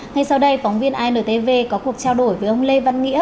ngay sau đây phóng viên intv có cuộc trao đổi với ông lê văn nghĩa